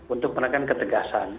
untuk menekan ketegasan